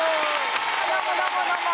どうもどうもどうも！